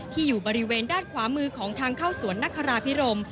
อยู่บริเวณด้านขวามือของทางเข้าสวนนคราพิรม